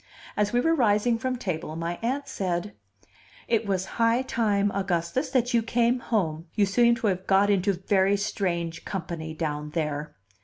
As we were rising from table, my Aunt said: "It was high time, Augustus, that you came home. You seem to have got into very strange company down there."